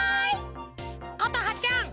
ことはちゃん。